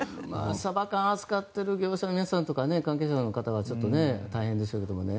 サバ缶を扱っている業者や関係者は大変でしょうけどね。